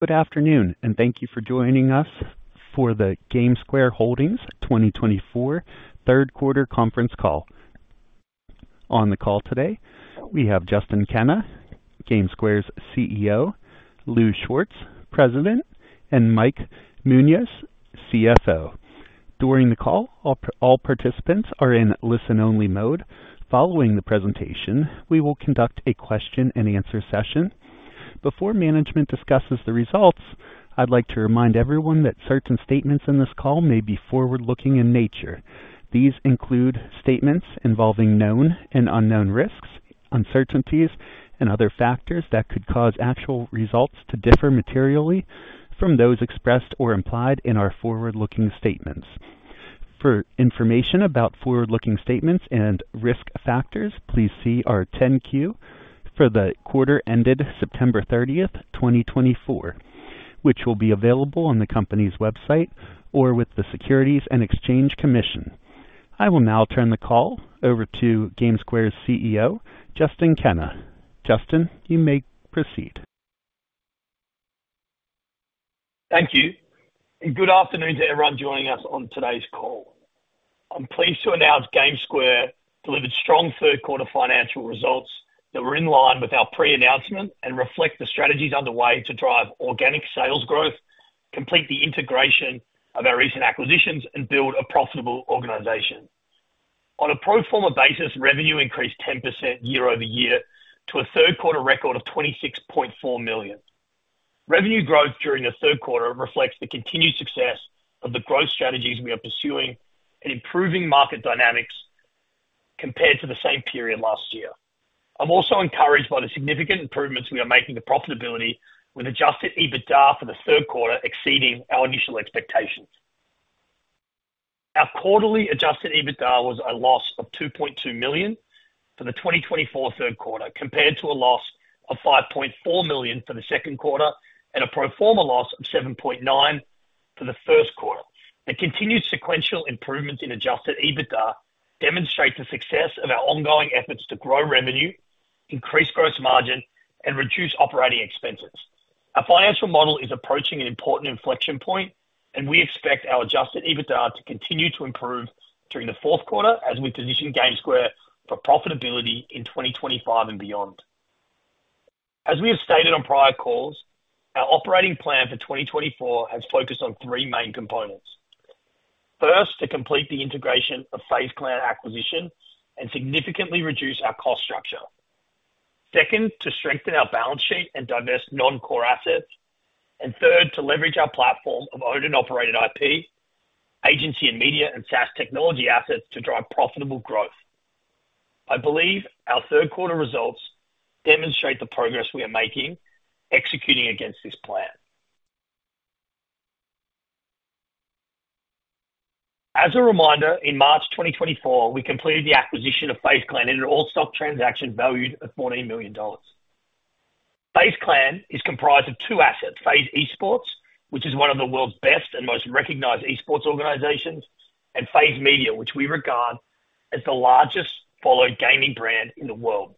Good afternoon, and thank you for joining us for the GameSquare Holdings 2024 third-quarter conference call. On the call today, we have Justin Kenna, GameSquare's Chief Executive Officer, Lou Schwartz, President, and Mike Munoz, Chief Financial Officer. During the call, all participants are in listen-only mode. Following the presentation, we will conduct a question-and-answer session. Before management discusses the results, I'd like to remind everyone that certain statements in this call may be forward-looking in nature. These include statements involving known and unknown risks, uncertainties, and other factors that could cause actual results to differ materially from those expressed or implied in our forward-looking statements. For information about forward-looking statements and risk factors, please see our 10-Q for the quarter ended September 30th, 2024, which will be available on the company's website or with the Securities and Exchange Commission. I will now turn the call over to GameSquare's Chief Executive Officer, Justin Kenna. Justin, you may proceed. Thank you. Good afternoon to everyone joining us on today's call. I'm pleased to announce GameSquare delivered strong third-quarter financial results that were in line with our pre-announcement and reflect the strategies underway to drive organic sales growth, complete the integration of our recent acquisitions, and build a profitable organization. On a pro forma basis, revenue increased 10% year-over-year to a third-quarter record of $26.4 million. Revenue growth during the third quarter reflects the continued success of the growth strategies we are pursuing and improving market dynamics compared to the same period last year. I'm also encouraged by the significant improvements we are making to profitability, with adjusted EBITDA for the third quarter exceeding our initial expectations. Our quarterly Adjusted EBITDA was a loss of $2.2 million for the 2024 third quarter, compared to a loss of $5.4 million for the second quarter and a pro forma loss of $7.9 million for the first quarter. The continued sequential improvements in Adjusted EBITDA demonstrate the success of our ongoing efforts to grow revenue, increase gross margin, and reduce operating expenses. Our financial model is approaching an important inflection point, and we expect our Adjusted EBITDA to continue to improve during the fourth quarter as we position GameSquare for profitability in 2025 and beyond. As we have stated on prior calls, our operating plan for 2024 has focused on three main components. First, to complete the integration of FaZe Clan acquisition and significantly reduce our cost structure. Second, to strengthen our balance sheet and divest non-core assets. And third, to leverage our platform of owned and operated IP, agency, and media, and SaaS technology assets to drive profitable growth. I believe our third-quarter results demonstrate the progress we are making executing against this plan. As a reminder, in March 2024, we completed the acquisition of FaZe Clan in an all-stock transaction valued at $14 million. FaZe Clan is comprised of two assets: FaZe Esports, which is one of the world's best and most recognized esports organizations, and FaZe Media, which we regard as the largest followed gaming brand in the world.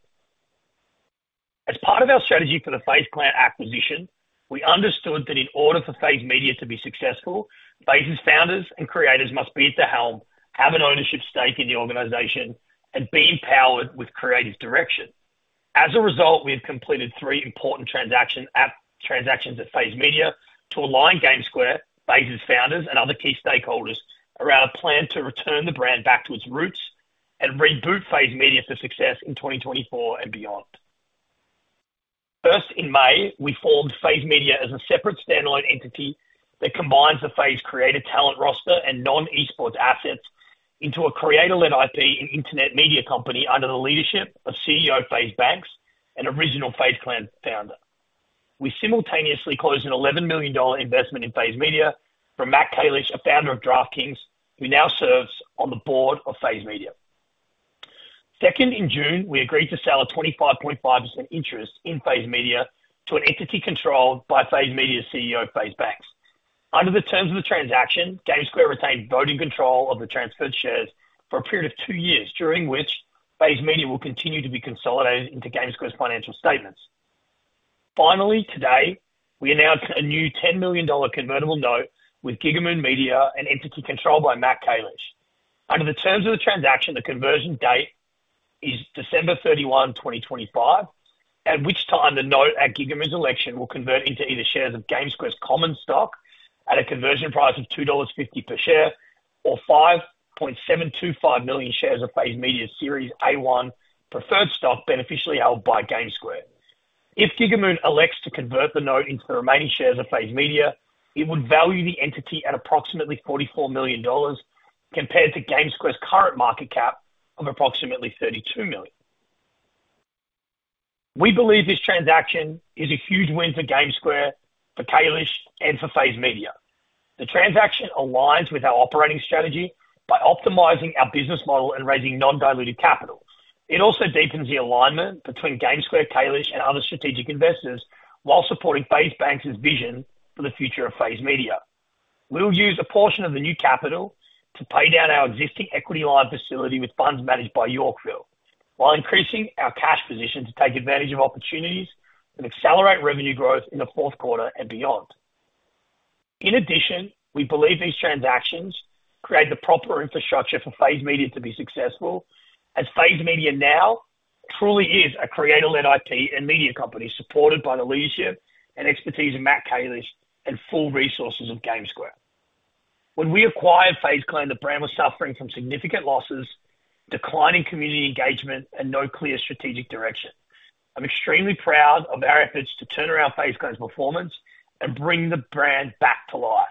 As part of our strategy for the FaZe Clan acquisition, we understood that in order for FaZe Media to be successful, FaZe's founders and creators must be at the helm, have an ownership stake in the organization, and be empowered with creative direction. As a result, we have completed three important transactions at FaZe Media to align GameSquare, FaZe's founders, and other key stakeholders around a plan to return the brand back to its roots and reboot FaZe Media for success in 2024 and beyond. First, in May, we formed FaZe Media as a separate standalone entity that combines the FaZe creator talent roster and non-esports assets into a creator-led IP and internet media company under the leadership of Chief Executive Officer FaZe Banks and original FaZe Clan founder. We simultaneously closed an $11 million investment in FaZe Media from Matt Kalish, a founder of DraftKings, who now serves on the board of FaZe Media. Second, in June, we agreed to sell a 25.5% interest in FaZe Media to an entity controlled by FaZe Media's CEO, FaZe Banks. Under the terms of the transaction, GameSquare retained voting control of the transferred shares for a period of two years, during which FaZe Media will continue to be consolidated into GameSquare's financial statements. Finally, today, we announced a new $10 million convertible note with Gigamoon Media, an entity controlled by Matt Kalish. Under the terms of the transaction, the conversion date is December 31, 2025, at which time the note at Gigamoon's election will convert into either shares of GameSquare's common stock at a conversion price of $2.50 per share or 5.725 million shares of FaZe Media's Series A-1 preferred stock beneficially held by GameSquare. If Gigamoon elects to convert the note into the remaining shares of FaZe Media, it would value the entity at approximately $44 million compared to GameSquare's current market cap of approximately $32 million. We believe this transaction is a huge win for GameSquare, for Kalish, and for FaZe Media. The transaction aligns with our operating strategy by optimizing our business model and raising non-dilutive capital. It also deepens the alignment between GameSquare, Kalish, and other strategic investors while supporting FaZe Banks' vision for the future of FaZe Media. We'll use a portion of the new capital to pay down our existing equity line facility with funds managed by Yorkville, while increasing our cash position to take advantage of opportunities and accelerate revenue growth in the fourth quarter and beyond. In addition, we believe these transactions create the proper infrastructure for FaZe Media to be successful, as FaZe Media now truly is a creator-led IP and media company supported by the leadership and expertise of Matt Kalish and full resources of GameSquare. When we acquired FaZe Clan, the brand was suffering from significant losses, declining community engagement, and no clear strategic direction. I'm extremely proud of our efforts to turn around FaZe Clan's performance and bring the brand back to life.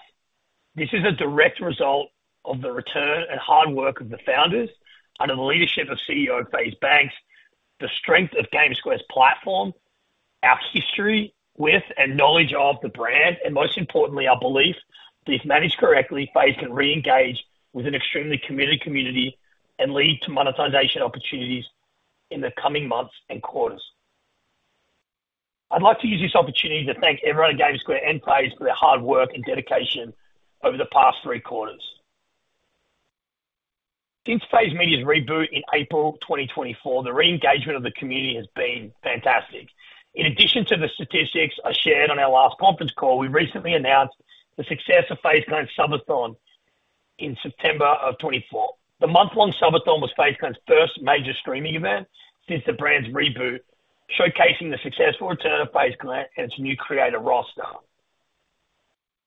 This is a direct result of the return and hard work of the founders under the leadership of CEO FaZe Banks, the strength of GameSquare's platform, our history with and knowledge of the brand, and most importantly, our belief that if managed correctly, FaZe can re-engage with an extremely committed community and lead to monetization opportunities in the coming months and quarters. I'd like to use this opportunity to thank everyone at GameSquare and FaZe for their hard work and dedication over the past three quarters. Since FaZe Media's reboot in April 2024, the re-engagement of the community has been fantastic. In addition to the statistics I shared on our last conference call, we recently announced the success of FaZe Clan's Subathon in September of 2024. The month-long Subathon was FaZe Clan's first major streaming event since the brand's reboot, showcasing the successful return of FaZe Clan and its new creator roster.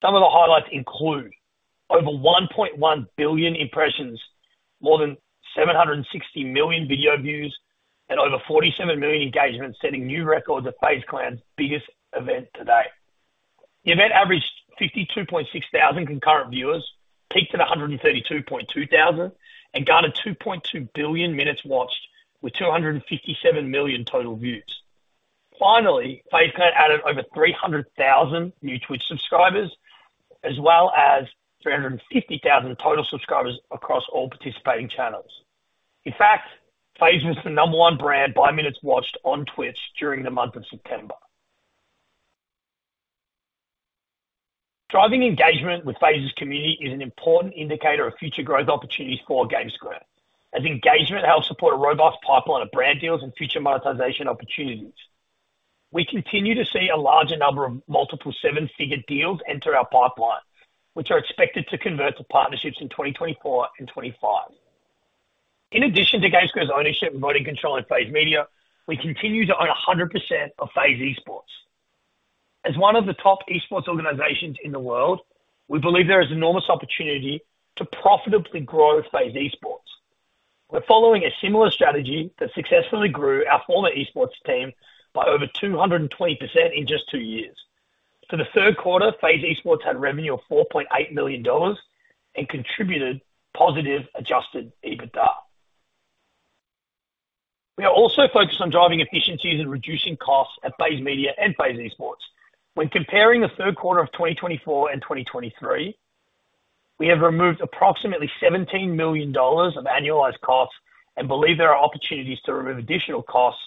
Some of the highlights include over 1.1 billion impressions, more than 760 million video views, and over 47 million engagements, setting new records at FaZe Clan's biggest event to date. The event averaged 52.6 thousand concurrent viewers, peaked at 132.2 thousand, and garnered 2.2 billion minutes watched with 257 million total views. Finally, FaZe Clan added over 300,000 new Twitch subscribers, as well as 350,000 total subscribers across all participating channels. In fact, FaZe was the number one brand by minutes watched on Twitch during the month of September. Driving engagement with FaZe's community is an important indicator of future growth opportunities for GameSquare, as engagement helps support a robust pipeline of brand deals and future monetization opportunities. We continue to see a larger number of multiple seven-figure deals enter our pipeline, which are expected to convert to partnerships in 2024 and 2025. In addition to GameSquare's ownership and voting control in FaZe Media, we continue to own 100% of FaZe Esports. As one of the top esports organizations in the world, we believe there is enormous opportunity to profitably grow FaZe Esports. We're following a similar strategy that successfully grew our former esports team by over 220% in just two years. For the third quarter, FaZe Esports had revenue of $4.8 million and contributed positive Adjusted EBITDA. We are also focused on driving efficiencies and reducing costs at FaZe Media and FaZe Esports. When comparing the third quarter of 2024 and 2023, we have removed approximately $17 million of annualized costs and believe there are opportunities to remove additional costs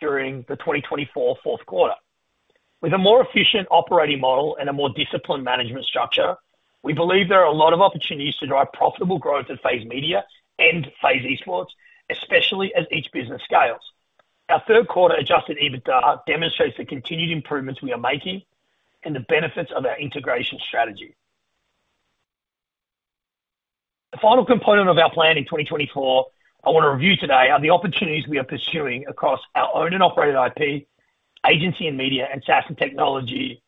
during the 2024 fourth quarter. With a more efficient operating model and a more disciplined management structure, we believe there are a lot of opportunities to drive profitable growth at FaZe Media and FaZe Esports, especially as each business scales. Our third-quarter Adjusted EBITDA demonstrates the continued improvements we are making and the benefits of our integration strategy. The final component of our plan in 2024 I want to review today are the opportunities we are pursuing across our owned and operated IP, agency, and media, and SaaS and technology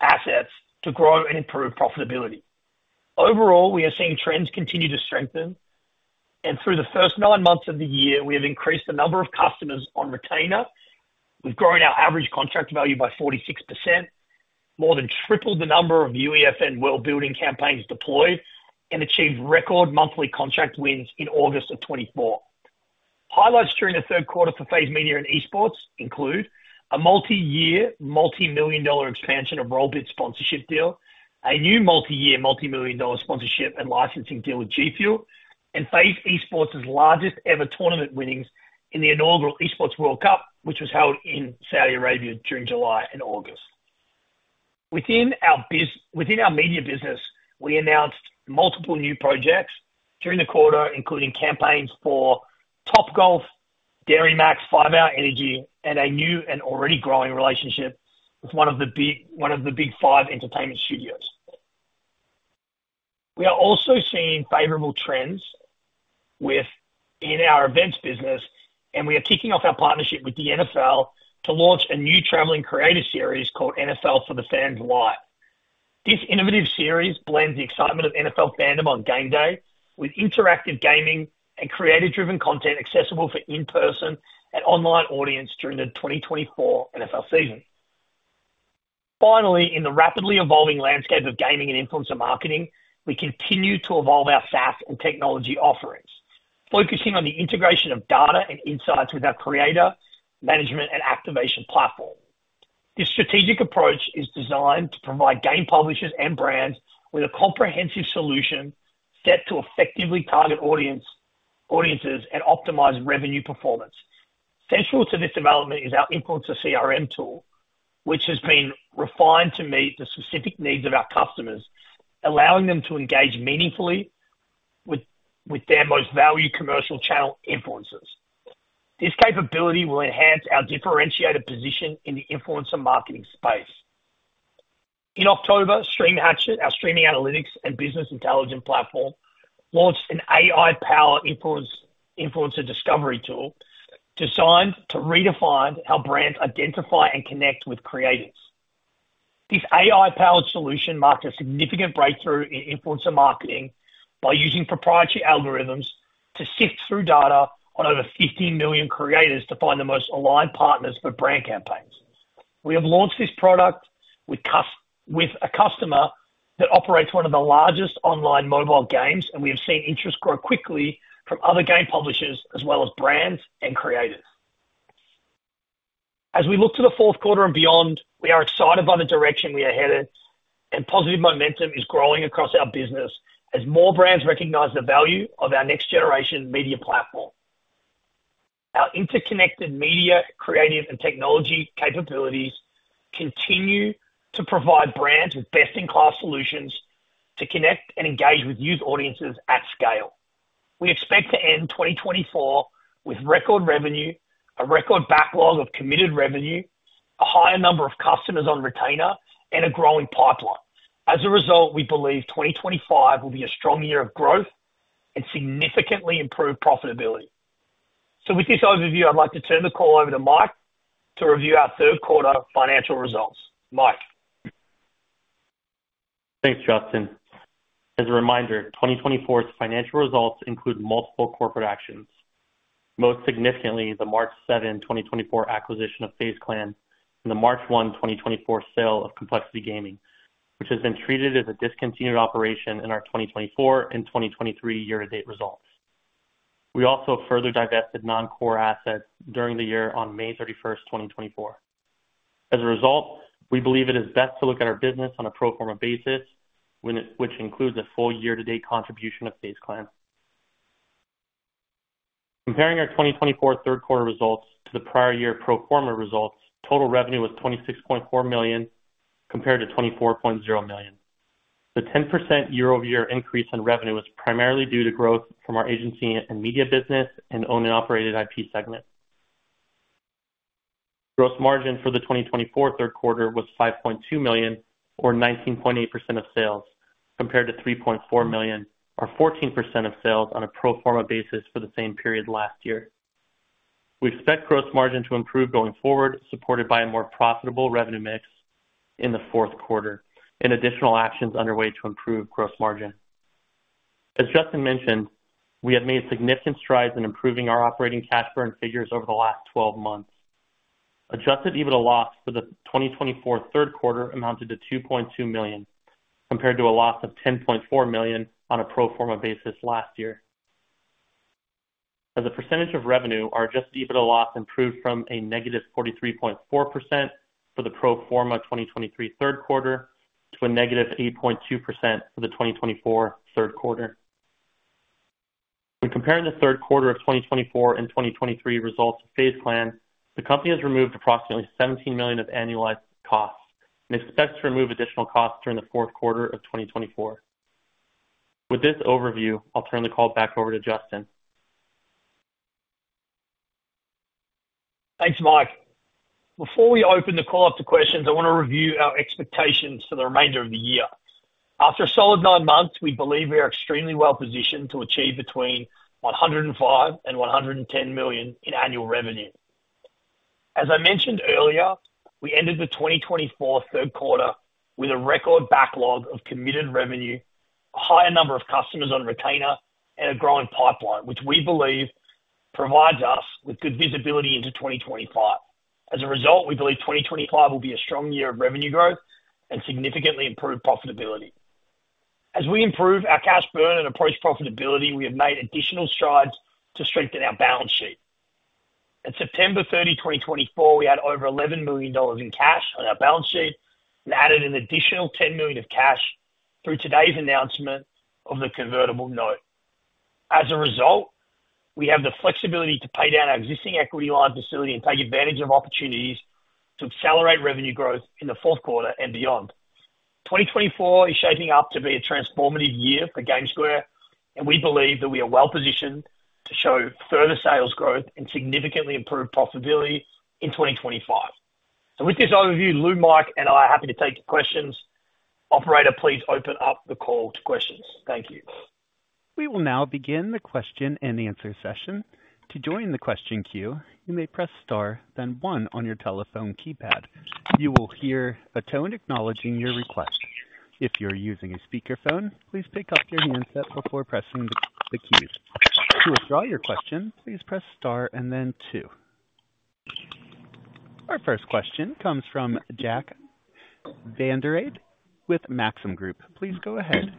assets to grow and improve profitability. Overall, we are seeing trends continue to strengthen, and through the first nine months of the year, we have increased the number of customers on retainer. We've grown our average contract value by 46%, more than tripled the number of UEFN world-building campaigns deployed, and achieved record monthly contract wins in August of 2024. Highlights during the third quarter for FaZe Media and Esports include a multi-year, multi-million-dollar expansion of Rollbit's sponsorship deal, a new multi-year, multi-million-dollar sponsorship and licensing deal with G Fuel, and FaZe Esports' largest-ever tournament winnings in the inaugural Esports World Cup, which was held in Saudi Arabia during July and August. Within our media business, we announced multiple new projects during the quarter, including campaigns for Topgolf, Dairy MAX, 5-hour Energy, and a new and already growing relationship with one of the big five entertainment studios. We are also seeing favorable trends within our events business, and we are kicking off our partnership with the NFL to launch a new traveling creator series called NFL 4 THE FANS LIVE. This innovative series blends the excitement of NFL fandom on game day with interactive gaming and creator-driven content accessible for in-person and online audience during the 2024 NFL season. Finally, in the rapidly evolving landscape of gaming and influencer marketing, we continue to evolve our SaaS and technology offerings, focusing on the integration of data and insights with our creator management and activation platform. This strategic approach is designed to provide game publishers and brands with a comprehensive solution set to effectively target audiences and optimize revenue performance. Central to this development is our influencer CRM tool, which has been refined to meet the specific needs of our customers, allowing them to engage meaningfully with their most valued commercial channel influencers. This capability will enhance our differentiated position in the influencer marketing space. In October, Stream Hatchet, our streaming analytics and business intelligence platform, launched an AI-powered influencer discovery tool designed to redefine how brands identify and connect with creators. This AI-powered solution marked a significant breakthrough in influencer marketing by using proprietary algorithms to sift through data on over 15 million creators to find the most aligned partners for brand campaigns. We have launched this product with a customer that operates one of the largest online mobile games, and we have seen interest grow quickly from other game publishers as well as brands and creators. As we look to the fourth quarter and beyond, we are excited by the direction we are headed, and positive momentum is growing across our business as more brands recognize the value of our next-generation media platform. Our interconnected media, creative, and technology capabilities continue to provide brands with best-in-class solutions to connect and engage with youth audiences at scale. We expect to end 2024 with record revenue, a record backlog of committed revenue, a higher number of customers on retainer, and a growing pipeline. As a result, we believe 2025 will be a strong year of growth and significantly improved profitability. So with this overview, I'd like to turn the call over to Mike to review our third-quarter financial results. Mike. Thanks, Justin. As a reminder, 2024's financial results include multiple corporate actions. Most significantly, the March 7, 2024, acquisition of FaZe Clan and the March 1, 2024, sale of Complexity Gaming, which has been treated as a discontinued operation in our 2024 and 2023 year-to-date results. We also further divested non-core assets during the year on May 31, 2024. As a result, we believe it is best to look at our business on a pro forma basis, which includes a full year-to-date contribution of FaZe Clan. Comparing our 2024 third-quarter results to the prior year pro forma results, total revenue was $26.4 million compared to $24.0 million. The 10% year-over-year increase in revenue was primarily due to growth from our agency and media business and owned and operated IP segment. Gross margin for the 2024 third quarter was $5.2 million, or 19.8% of sales, compared to $3.4 million, or 14% of sales on a pro forma basis for the same period last year. We expect gross margin to improve going forward, supported by a more profitable revenue mix in the fourth quarter and additional actions underway to improve gross margin. As Justin mentioned, we have made significant strides in improving our operating cash burn figures over the last 12 months. Adjusted EBITDA loss for the 2024 third quarter amounted to $2.2 million, compared to a loss of $10.4 million on a pro forma basis last year. As a percentage of revenue, our adjusted EBITDA loss improved from a negative 43.4% for the pro forma 2023 third quarter to a negative 8.2% for the 2024 third quarter. When comparing the third quarter of 2024 and 2023 results of FaZe Clan, the company has removed approximately $17 million of annualized costs and expects to remove additional costs during the fourth quarter of 2024. With this overview, I'll turn the call back over to Justin. Thanks, Mike. Before we open the call up to questions, I want to review our expectations for the remainder of the year. After a solid nine months, we believe we are extremely well positioned to achieve between $105 million and $110 million in annual revenue. As I mentioned earlier, we ended the 2024 third quarter with a record backlog of committed revenue, a higher number of customers on retainer, and a growing pipeline, which we believe provides us with good visibility into 2025. As a result, we believe 2025 will be a strong year of revenue growth and significantly improved profitability. As we improve our cash burn and approach profitability, we have made additional strides to strengthen our balance sheet. At September 30, 2024, we had over $11 million in cash on our balance sheet and added an additional $10 million of cash through today's announcement of the convertible note. As a result, we have the flexibility to pay down our existing equity line facility and take advantage of opportunities to accelerate revenue growth in the fourth quarter and beyond. 2024 is shaping up to be a transformative year for GameSquare, and we believe that we are well positioned to show further sales growth and significantly improved profitability in 2025. So with this overview, Lou, Mike, and I are happy to take questions. Operator, please open up the call to questions. Thank you. We will now begin the question and answer session. To join the question queue, you may press Star, then one on your telephone keypad. You will hear a tone acknowledging your request. If you're using a speakerphone, please pick up your handset before pressing the keys. To withdraw your question, please press Star and then two. Our first question comes from Jack Vander Aarde with Maxim Group. Please go ahead.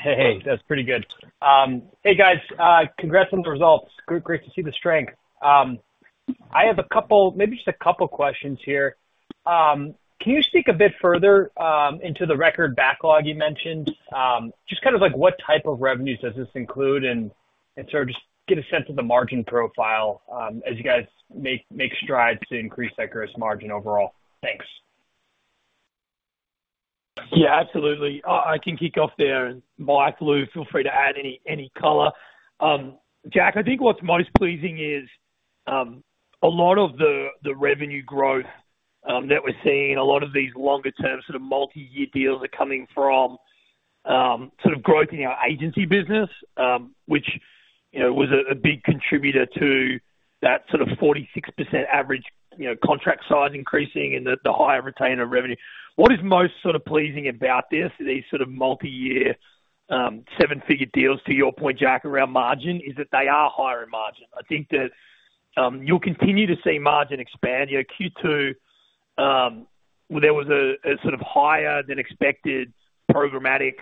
Hey, hey. That's pretty good. Hey, guys. Congrats on the results. Great to see the strength. I have a couple, maybe just a couple of questions here. Can you speak a bit further into the record backlog you mentioned? Just kind of like what type of revenues does this include and sort of just get a sense of the margin profile as you guys make strides to increase that gross margin overall? Thanks. Yeah, absolutely. I can kick off there. And Mike, Lou, feel free to add any color. Jack, I think what's most pleasing is a lot of the revenue growth that we're seeing, a lot of these longer-term sort of multi-year deals are coming from sort of growth in our agency business, which was a big contributor to that sort of 46% average contract size increasing and the higher retainer revenue. What is most sort of pleasing about this, these sort of multi-year seven-figure deals, to your point, Jack, around margin, is that they are higher in margin. I think that you'll continue to see margin expand. Q2, there was a sort of higher-than-expected programmatic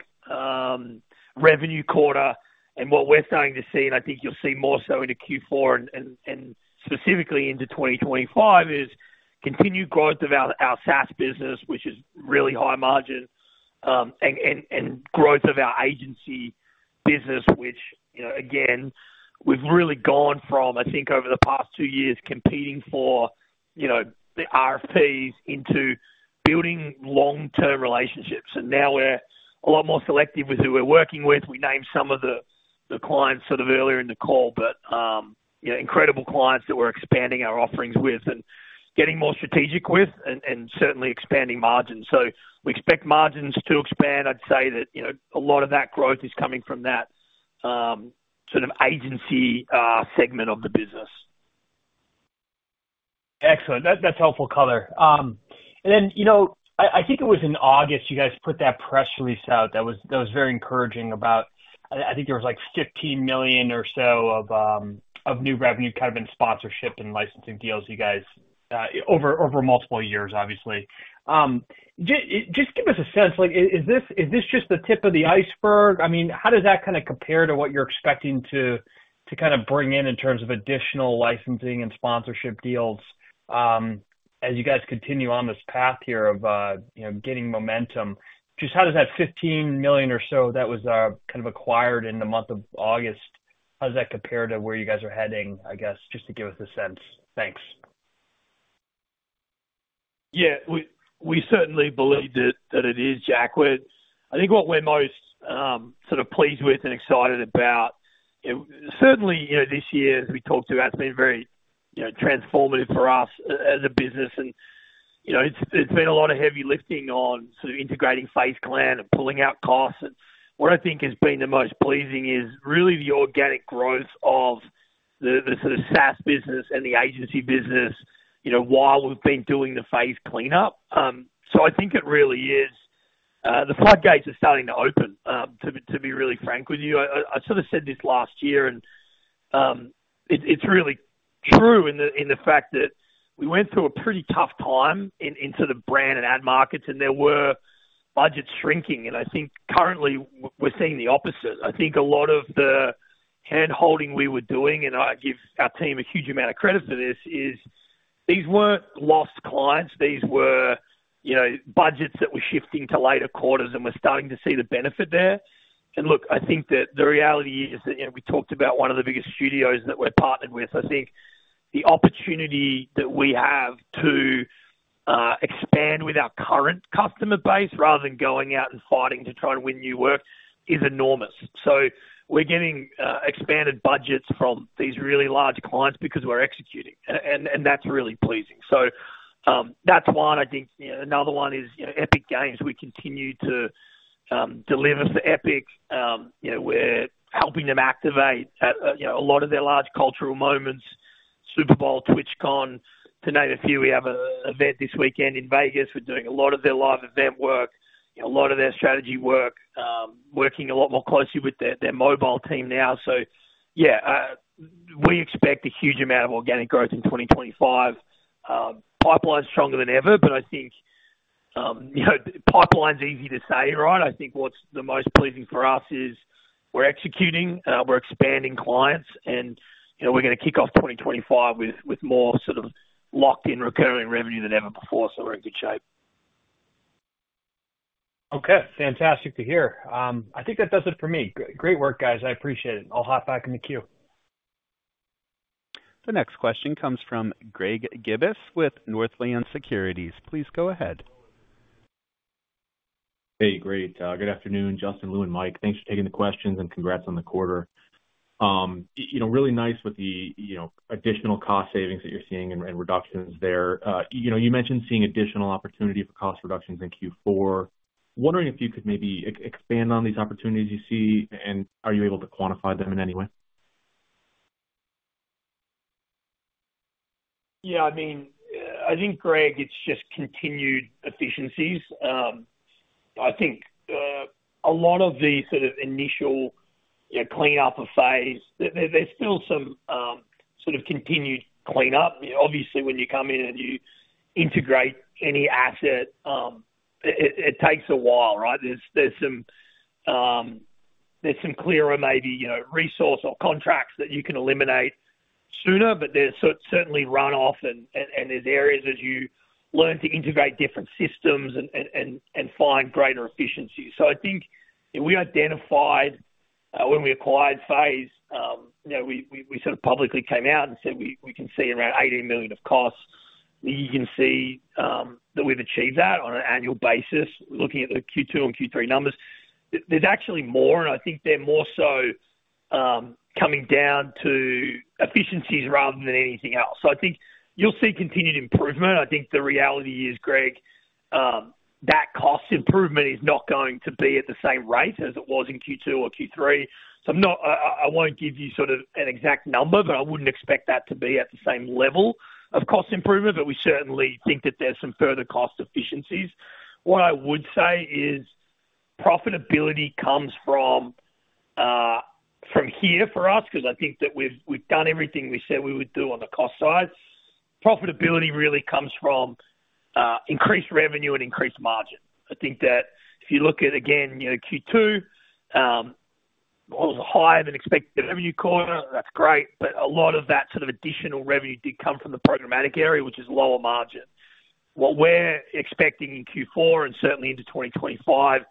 revenue quarter, and what we're starting to see, and I think you'll see more so in Q4 and specifically into 2025, is continued growth of our SaaS business, which is really high margin, and growth of our agency business, which, again, we've really gone from, I think, over the past two years, competing for the RFPs into building long-term relationships, and now we're a lot more selective with who we're working with. We named some of the clients sort of earlier in the call, but incredible clients that we're expanding our offerings with and getting more strategic with and certainly expanding margins, so we expect margins to expand. I'd say that a lot of that growth is coming from that sort of agency segment of the business. Excellent. That's helpful color. And then I think it was in August you guys put that press release out that was very encouraging about, I think there was like $15 million or so of new revenue kind of in sponsorship and licensing deals you guys over multiple years, obviously. Just give us a sense. Is this just the tip of the iceberg? I mean, how does that kind of compare to what you're expecting to kind of bring in in terms of additional licensing and sponsorship deals as you guys continue on this path here of getting momentum? Just how does that $15 million or so that was kind of acquired in the month of August, how does that compare to where you guys are heading, I guess, just to give us a sense? Thanks. Yeah. We certainly believe that it is, Jack. I think what we're most sort of pleased with and excited about, certainly this year, as we talked about, it's been very transformative for us as a business. And it's been a lot of heavy lifting on sort of integrating FaZe Clan and pulling out costs. And what I think has been the most pleasing is really the organic growth of the sort of SaaS business and the agency business while we've been doing the FaZe cleanup. So I think it really is. The floodgates are starting to open, to be really frank with you. I sort of said this last year, and it's really true in the fact that we went through a pretty tough time in sort of brand and ad markets, and there were budgets shrinking. And I think currently we're seeing the opposite. I think a lot of the handholding we were doing, and I give our team a huge amount of credit for this, is these weren't lost clients. These were budgets that were shifting to later quarters, and we're starting to see the benefit there, and look, I think that the reality is that we talked about one of the biggest studios that we're partnered with. I think the opportunity that we have to expand with our current customer base rather than going out and fighting to try and win new work is enormous. So we're getting expanded budgets from these really large clients because we're executing, and that's really pleasing, so that's one. I think another one is Epic Games. We continue to deliver for Epic. We're helping them activate a lot of their large cultural moments: Super Bowl, TwitchCon, to name a few. We have an event this weekend in Vegas. We're doing a lot of their live event work, a lot of their strategy work, working a lot more closely with their mobile team now. So yeah, we expect a huge amount of organic growth in 2025. Pipeline's stronger than ever, but I think pipeline's easy to say, right? I think what's the most pleasing for us is we're executing, we're expanding clients, and we're going to kick off 2025 with more sort of locked-in recurring revenue than ever before. So we're in good shape. Okay. Fantastic to hear. I think that does it for me. Great work, guys. I appreciate it. I'll hop back in the queue. The next question comes from Greg Gibas with Northland Securities. Please go ahead. Hey, great. Good afternoon, Justin, Lou, and Mike. Thanks for taking the questions and congrats on the quarter. Really nice with the additional cost savings that you're seeing and reductions there. You mentioned seeing additional opportunity for cost reductions in Q4. Wondering if you could maybe expand on these opportunities you see, and are you able to quantify them in any way? Yeah. I mean, I think, Greg, it's just continued efficiencies. I think a lot of the sort of initial cleanup of FaZe, there's still some sort of continued cleanup. Obviously, when you come in and you integrate any asset, it takes a while, right? There's some clearer maybe resource or contracts that you can eliminate sooner, but there's certainly runoff, and there's areas as you learn to integrate different systems and find greater efficiencies. So I think we identified when we acquired FaZe, we sort of publicly came out and said we can see around $18 million of costs. You can see that we've achieved that on an annual basis. Looking at the Q2 and Q3 numbers, there's actually more, and I think they're more so coming down to efficiencies rather than anything else. So I think you'll see continued improvement. I think the reality is, Greg, that cost improvement is not going to be at the same rate as it was in Q2 or Q3. So I won't give you sort of an exact number, but I wouldn't expect that to be at the same level of cost improvement. But we certainly think that there's some further cost efficiencies. What I would say is profitability comes from here for us because I think that we've done everything we said we would do on the cost side. Profitability really comes from increased revenue and increased margin. I think that if you look at, again, Q2, it was a higher-than-expected revenue quarter. That's great. But a lot of that sort of additional revenue did come from the programmatic area, which is lower margin. What we're expecting in Q4 and certainly into 2025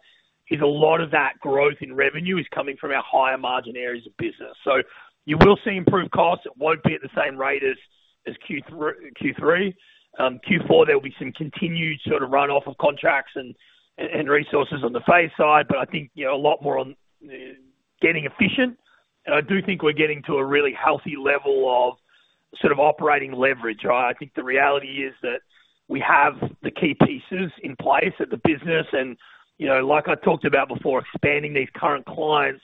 is a lot of that growth in revenue is coming from our higher margin areas of business. So you will see improved costs. It won't be at the same rate as Q3. Q4, there will be some continued sort of runoff of contracts and resources on the FaZe side, but I think a lot more on getting efficient. And I do think we're getting to a really healthy level of sort of operating leverage, right? I think the reality is that we have the key pieces in place at the business. And like I talked about before, expanding these current clients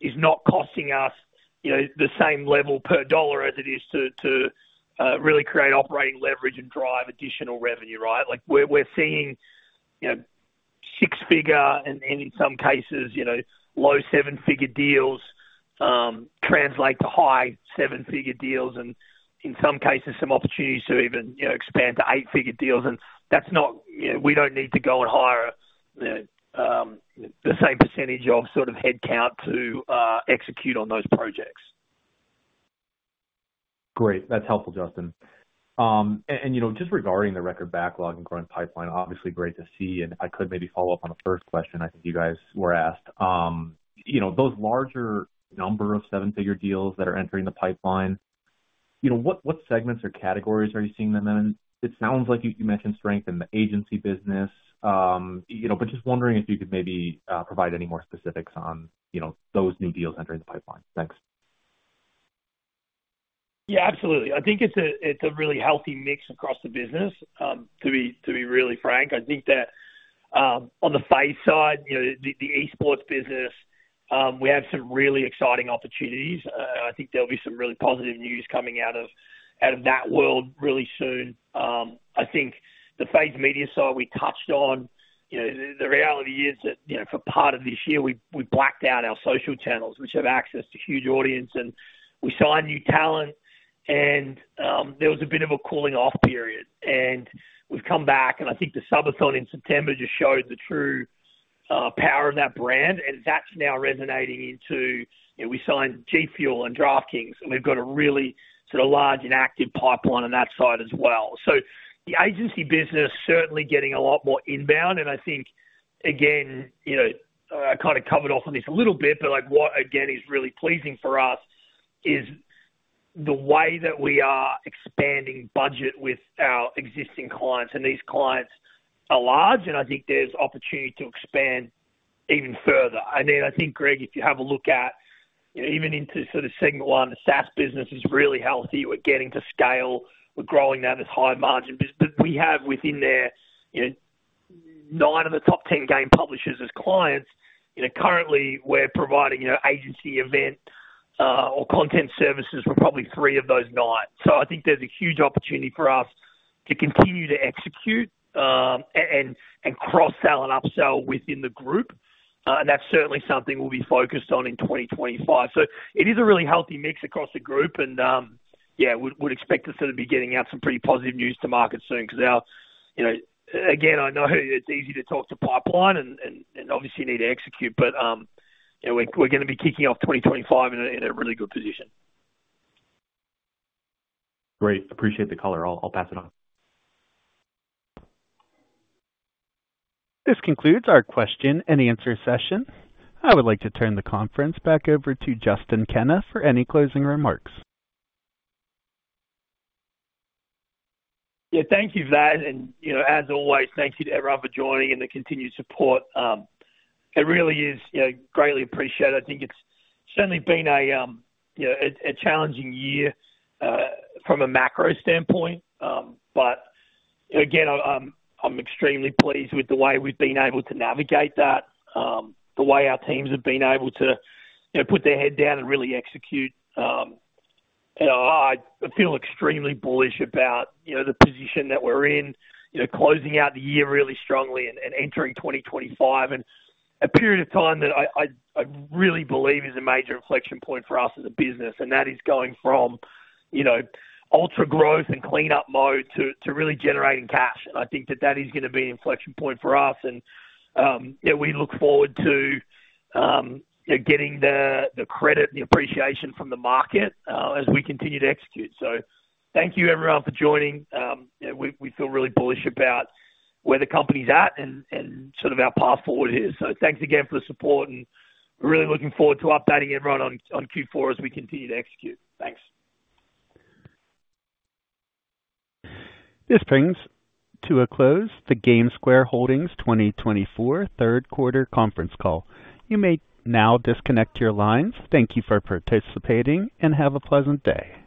is not costing us the same level per dollar as it is to really create operating leverage and drive additional revenue, right? We're seeing six-figure and, in some cases, low seven-figure deals translate to high seven-figure deals and, in some cases, some opportunities to even expand to eight-figure deals. And that's not we don't need to go and hire the same percentage of sort of headcount to execute on those projects. Great. That's helpful, Justin. And just regarding the record backlog and growing pipeline, obviously great to see. And I could maybe follow up on the first question I think you guys were asked. Those larger number of seven-figure deals that are entering the pipeline, what segments or categories are you seeing them in? It sounds like you mentioned strength in the agency business, but just wondering if you could maybe provide any more specifics on those new deals entering the pipeline. Thanks. Yeah, absolutely. I think it's a really healthy mix across the business, to be really frank. I think that on the FaZe side, the esports business, we have some really exciting opportunities. I think there'll be some really positive news coming out of that world really soon. I think the FaZe media side we touched on, the reality is that for part of this year, we blacked out our social channels, which have access to huge audience, and we signed new talent, and there was a bit of a cooling-off period. We've come back, and I think the Subathon in September just showed the true power of that brand. And that's now resonating, and we signed G Fuel and DraftKings, and we've got a really sort of large and active pipeline on that side as well. So the agency business is certainly getting a lot more inbound. And I think, again, I kind of covered off on this a little bit, but what, again, is really pleasing for us is the way that we are expanding budget with our existing clients. And these clients are large, and I think there's opportunity to expand even further. I mean, I think, Greg, if you have a look at even the sort of segment one, the SaaS business is really healthy. We're getting to scale. We're growing that as high margin business. But we have within there nine of the top 10 game publishers as clients. Currently, we're providing agency event or content services for probably three of those nine. So I think there's a huge opportunity for us to continue to execute and cross-sell and upsell within the group. And that's certainly something we'll be focused on in 2025. So it is a really healthy mix across the group. And yeah, we'd expect to sort of be getting out some pretty positive news to market soon because now, again, I know it's easy to talk to pipeline and obviously need to execute, but we're going to be kicking off 2025 in a really good position. Great. Appreciate the color. I'll pass it on. This concludes our question and answer session. I would like to turn the conference back over to Justin Kenna for any closing remarks. Yeah, thank you for that. And as always, thank you to everyone for joining and the continued support. It really is greatly appreciated. I think it's certainly been a challenging year from a macro standpoint, but again, I'm extremely pleased with the way we've been able to navigate that, the way our teams have been able to put their head down and really execute. I feel extremely bullish about the position that we're in, closing out the year really strongly and entering 2025 in a period of time that I really believe is a major inflection point for us as a business, and that is going from ultra growth and cleanup mode to really generating cash, and I think that that is going to be an inflection point for us, and we look forward to getting the credit and the appreciation from the market as we continue to execute, so thank you, everyone, for joining. We feel really bullish about where the company's at and sort of our path forward is. So thanks again for the support, and we're really looking forward to updating everyone on Q4 as we continue to execute. Thanks. This brings to a close the GameSquare Holdings 2024 third quarter conference call. You may now disconnect your lines. Thank you for participating and have a pleasant day.